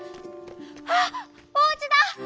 「あっおうちだ！